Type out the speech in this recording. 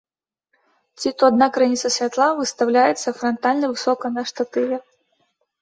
Ці то адна крыніца святла выстаўляецца франтальна высока на штатыве.